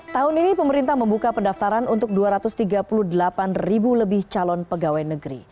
tahun ini pemerintah membuka pendaftaran untuk dua ratus tiga puluh delapan ribu lebih calon pegawai negeri